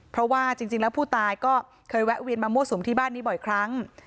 เพราะว่าจริงแล้วผู้ตายก็เคยแวะเวียนมามั่วสุมที่บ้านนี้บ่อยครั้ง